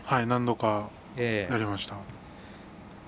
何度かやりました。